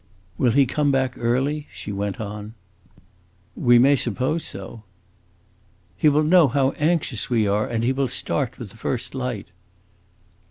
"Will he come back early?" she went on. "We may suppose so." "He will know how anxious we are, and he will start with the first light!"